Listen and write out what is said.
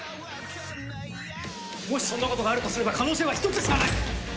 もしそんなことがあるとすれば可能性は１つしかない。